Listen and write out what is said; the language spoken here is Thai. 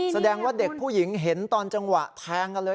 แสดงว่าเด็กผู้หญิงเห็นตอนจังหวะแทงกันเลย